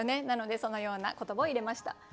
なのでそのような言葉を入れました。